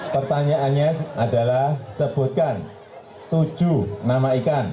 pertanyaannya adalah sebutkan tujuh nama ikan